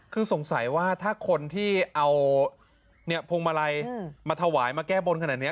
คือสงสัยว่าถ้าคนที่เอาพวงมาลัยมาถวายมาแก้บนขนาดนี้